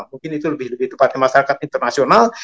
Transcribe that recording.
mungkin itu lebih tepatnya masyarakat internasional